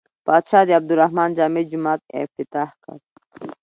پاچا د عبدالرحمن جامع جومات افتتاح کړ.